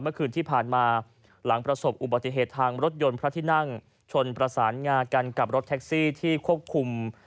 เมื่อคืนที่ผ่านมาหลังประสบอุบัติเหตุทางรถยนต์พระที่นั่งชนประสานงากันกับรถแท็กซี่ที่ควบคุม